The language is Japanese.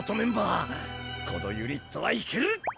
このユニットはいける！